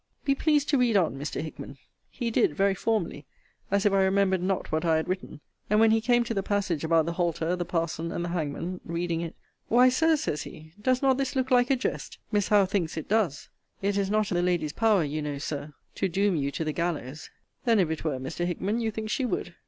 Be pleased to read on, Mr. Hickman. He did very formally, as if I remembered not what I had written; and when he came to the passage about the halter, the parson, and the hangman, reading it, Why, Sir, says he, does not this look like a jest? Miss Howe thinks it does. It is not in the lady's power, you know, Sir, to doom you to the gallows. Then, if it were, Mr. Hickman, you think she would?